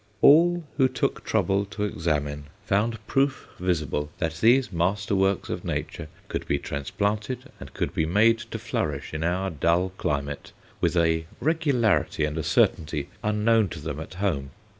All who took trouble to examine found proof visible that these masterworks of Nature could be transplanted and could be made to flourish in our dull climate with a regularity and a certainty unknown to them at home.